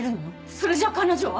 それじゃ彼女は？